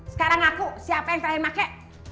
sekarang aku siapa yang terakhir pakai